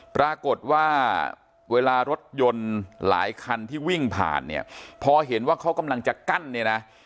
ปรากฏว่าเวลารถยนต์หลายคันที่วิ่งผ่านเนี่ยพอเห็นว่าเขากำลังจะกั้นเนี่ยนะ